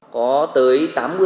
có tới tám mươi chín mươi